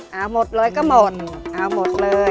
เอาหมดเลยก็หมดเอาหมดเลย